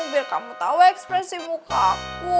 biar kamu tahu ekspresi muka aku